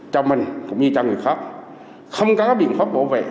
cho mình cũng như cho người khác không có biện pháp bảo vệ